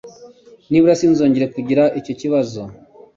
Nibura sinzongera kugira icyo kibazo.